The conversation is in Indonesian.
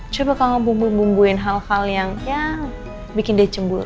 coba kamu bumbu bumbuin hal hal yang ya bikin dia cemburu